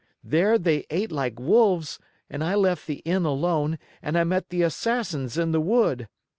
There they ate like wolves and I left the Inn alone and I met the Assassins in the wood.